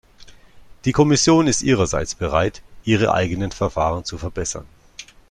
Die Kommission ist ihrerseits bereit, ihre eigenen Verfahren zu verbessern.